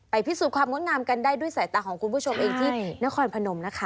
พิสูจน์ความงดงามกันได้ด้วยสายตาของคุณผู้ชมเองที่นครพนมนะคะ